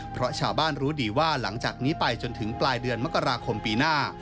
เพราะชาวบ้านรู้ดีว่าหลังจากนี้ไปจนถึงปลายเดือนมกราคมปีหน้า